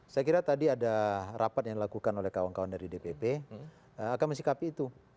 saya kira tadi ada rapat yang dilakukan oleh kawan kawan dari dpp akan mensikapi itu